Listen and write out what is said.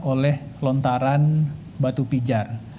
oleh lontaran batu pijar